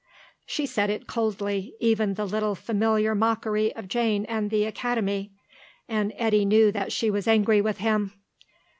She said it coldly, even the little familiar mockery of Jane and the Academy, and Eddy knew that she was angry with him.